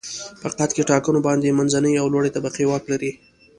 په حقیقت کې ټاکنو باندې منځنۍ او لوړې طبقې واک لري.